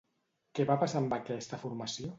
Què va passar amb aquesta formació?